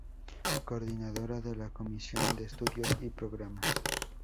Coordinadora de la comisión de Estudios y Programas.